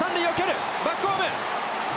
バックホーム。